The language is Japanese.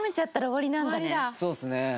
そうですね。